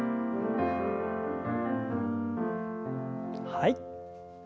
はい。